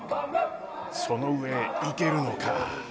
その上へ、行けるのか。